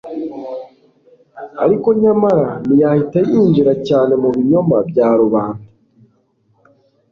Ariko nyamara ntiyahita yinjira cyane mu binyoma bya rubanda,